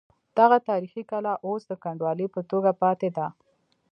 دغه تاریخي کلا اوس د کنډوالې په توګه پاتې ده.